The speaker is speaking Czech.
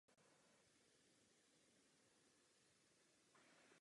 Jedno její křídlo sloužilo jako zájezdní hostinec.